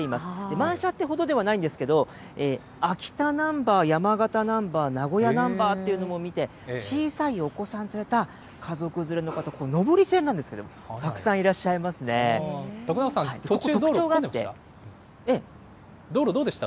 満車ってほどではないんですけど、秋田ナンバー、山形ナンバー、名古屋ナンバーというのも見て、小さいお子さん連れた家族連れの方、これ、上り線なんですけれども、徳永さん、道路どうでした？